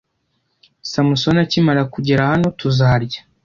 Samusoni akimara kugera hano, tuzarya.